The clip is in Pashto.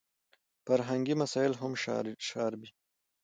فرهنګي مسایل هم شاربي.